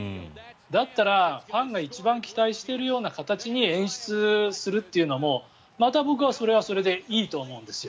だったら、ファンが一番期待している形に演出するというのも僕はそれはそれでいいと思うんですよ。